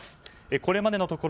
これまでのところ